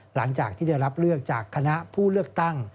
หลังจากที่ได้รับเลือกจากคณะผู้เลือกตั้ง